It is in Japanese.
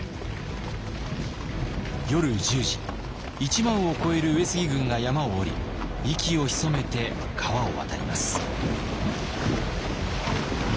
夜１０時１万を超える上杉軍が山を下り息をひそめて川を渡ります。